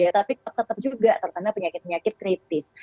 tapi tetap juga terkena penyakit penyakit kritis